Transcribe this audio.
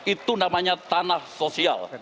itu namanya tanah sosial